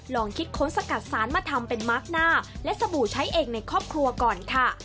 ลองคิดค้นสกัดสารมาทำเป็นมาร์คหน้าและสบู่ใช้เองในครอบครัวก่อนค่ะ